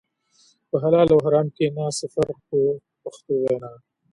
په حلال او په حرام کې نه څه فرق و په پښتو وینا.